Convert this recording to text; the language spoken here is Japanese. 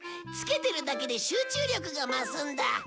着けてるだけで集中力が増すんだ。